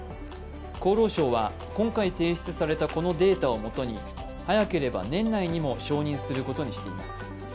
厚労省は今回提出されたこのデータを基に早ければ年内にも承認することにしています。